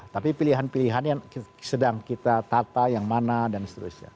tapi pilihan pilihan yang sedang kita tata yang mana dan seterusnya